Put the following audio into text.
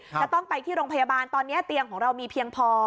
จะต้องไปที่โรงพยาบาลตอนนี้เตียงของเรามีเพียงพอ